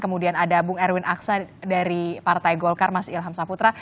kemudian ada bung erwin aksa dari partai golkar mas ilham saputra